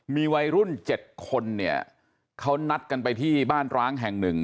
มีวัยรุ่น๗คนเนี่ยเขานัดกันไปที่บ้านร้างแห่งหนึ่ง